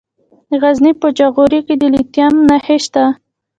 د غزني په جاغوري کې د لیتیم نښې شته.